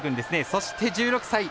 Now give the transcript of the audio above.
そして１６歳。